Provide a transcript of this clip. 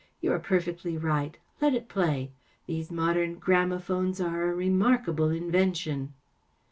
" You are perfectly right. Let it play f These modem gramophones are a remarkable invention.